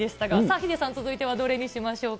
ヒデさん、続いてはどれにしましょうか。